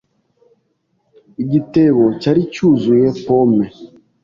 Igitebo cyari cyuzuye pome.